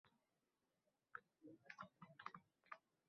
Buni ko’rib qolishimiz mumkinmi?